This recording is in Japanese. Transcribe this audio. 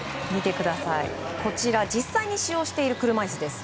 こちらは実際に使用している車いすです。